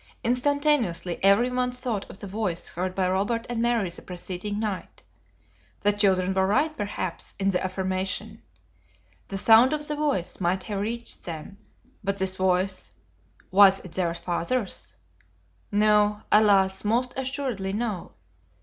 Instantaneously everyone thought of the voice heard by Robert and Mary the preceding night. The children were right, perhaps, in the affirmation. The sound of a voice might have reached them, but this voice was it their father's? No, alas, most assuredly no.